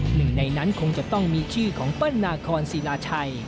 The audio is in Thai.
หนึ่งในนั้นคงจะต้องมีชื่อของเปิ้ลนาคอนศิลาชัย